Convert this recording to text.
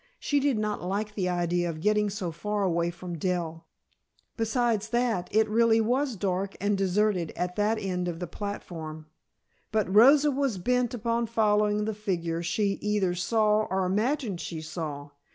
She did not like the idea of getting so far away from Dell. Besides that, it really was dark and deserted at that end of the platform. But Rosa was bent upon following the figure she either saw or imagined she saw.